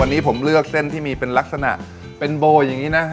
วันนี้ผมเลือกเส้นที่มีเป็นลักษณะเป็นโบย์